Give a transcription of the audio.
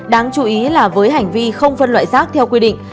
đáng chú ý là với hành vi không phân loại rác theo quy định